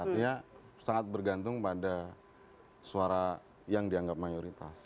artinya sangat bergantung pada suara yang dianggap mayoritas